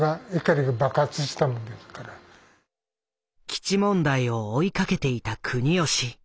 基地問題を追いかけていた國吉。